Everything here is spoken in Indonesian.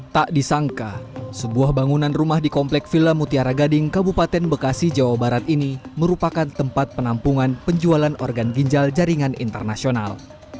tak disangka sebuah bangunan rumah di komplek villa mutiara gading kabupaten bekasi jawa barat ini merupakan tempat penampungan penjualan organ ginjal jaringan internasional